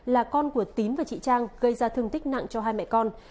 là con của tín và chị trang gây ra thương tích nặng cho hai mẹ con